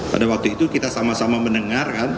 pada waktu itu kita sama sama mendengarkan